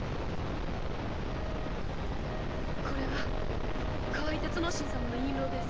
これは河井鉄之進様の印籠です。